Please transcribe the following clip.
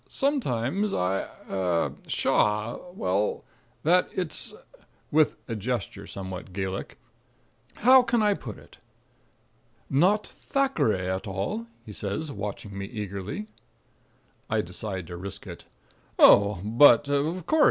Sometimes I er Shaw er well, it's " (with a gesture somewhat Gallic) "How can I put it?" "Not Thackeray at all?" he says, watching me eagerly. I decide to risk it. "Oh, but of course!